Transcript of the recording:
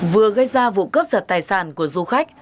vừa gây ra vụ cướp giật tài sản của du khách